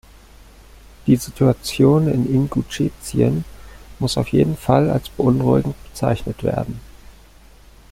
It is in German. Die Situation in Inguschetien muss auf jeden Fall als beunruhigend bezeichnet werden.